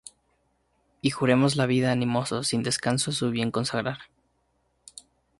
y juremos la vida animosos, sin descanso a su bien consagrar.